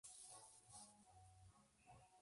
Se tienen pocos datos de su producción y organización.